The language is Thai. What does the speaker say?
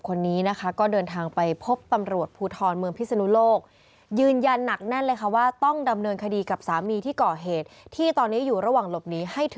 คนนี้นะคะก็เดินทางไป